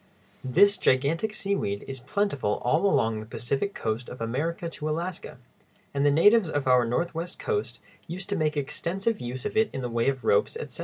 This gigantic seaweed is plentiful all along the Pacific coast of America to Alaska, and the natives of our northwest coast used to make extensive use of it in the way of ropes, etc.